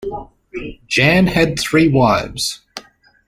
Jan had three wives.